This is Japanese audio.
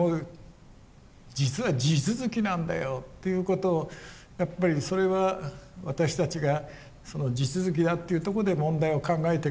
実は地続きなんだよっていうことをやっぱりそれは私たちが地続きだっていうところで問題を考えていく。